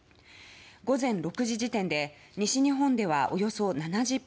午前６時時点で西日本ではおよそ７０％